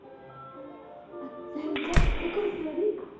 小百合ちゃんそこお座り。